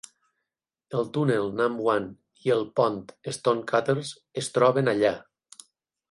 El túnel Nam Wan i el pont Stonecutters es troben allà.